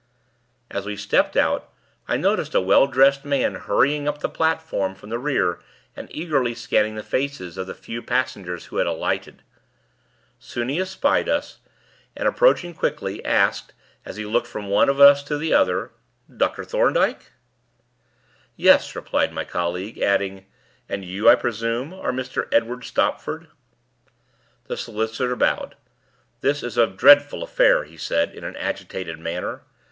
As we stepped out, I noticed a well dressed man hurrying up the platform from the rear and eagerly scanning the faces of the few passengers who had alighted. Soon he espied us, and, approaching quickly, asked, as he looked from one of us to the other: "Dr. Thorndyke?" "Yes," replied my colleague, adding: "And you, I presume, are Mr. Edward Stopford?" The solicitor bowed. "This is a dreadful affair," he said, in an agitated manner.